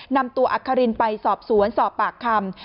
นำตัวอัครินไปสอบสวนสอบปากคำ